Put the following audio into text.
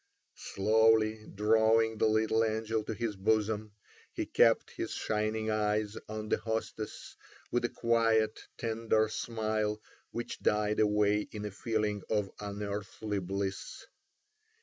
Slowly drawing the little angel to his bosom, he kept his shining eyes on the hostess, with a quiet, tender smile which died away in a feeling of unearthly bliss.